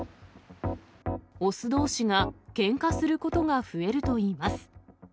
雄どうしがけんかすることが増えるといいます。